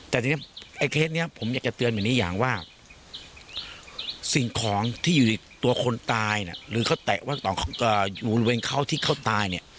แต่ทีนี้ไอเคล็ดเนี่ยผมยังจะเตือนอย่างนี้อย่างว่า